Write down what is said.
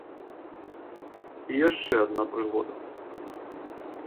І яшчэ адна прыгода.